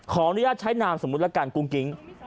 ขออนุญาตใช้นามสมมุติละกันกุ้งกิ๊ง